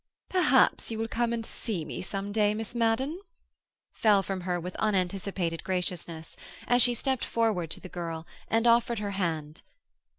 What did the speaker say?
"Perhaps you will come and see me some day, Miss Madden," fell from her with unanticipated graciousness, as she stepped forward to the girl and offered her hand.